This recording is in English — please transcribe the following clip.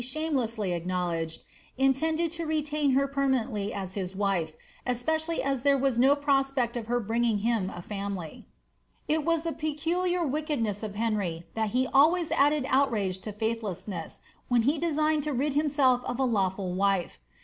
shamelessly acknowledged, intmded to retain her permanently as his wife, especially as there was no prospect of her bringing him a family. It was the peculiar wickedness of Henry, that he always added oot rage to faithlessness, when he designed to rid himself of a lawful wife.